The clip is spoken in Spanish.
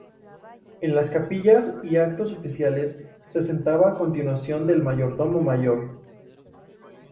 En las capillas y actos oficiales se sentaba a continuación del Mayordomo mayor.